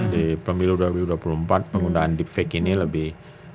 di pemilu dua ribu dua puluh empat penggunaan deep fake ini lebih